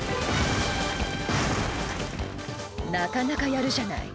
なかなかやるじゃない。